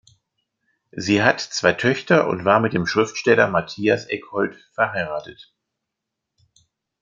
Sie hat zwei Töchter und war mit dem Schriftsteller Matthias Eckoldt verheiratet.